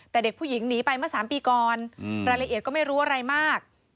แต่เด็กผู้หญิงหนีไปเมื่อ๓ปีก่อนรายละเอียดก็ไม่รู้อะไรมาก